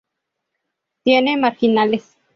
Tiene marginales.